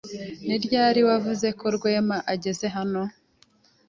Ni ryari wavuze ko Rwema ageze hano?